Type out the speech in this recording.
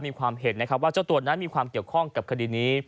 มีความเห็นนะครับว่าเจ้าตัวนั้นมีความเกี่ยวข้องกับคดีนี้